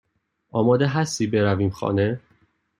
آماده هستی برویم خانه؟